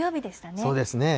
そうですね。